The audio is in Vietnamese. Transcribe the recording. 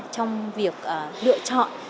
trong việc lựa chọn